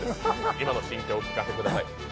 今の心境をお聞かせください。